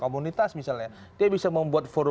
komunitas misalnya dia bisa membuat